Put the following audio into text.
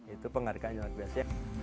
itu penghargaan yang luar biasa ya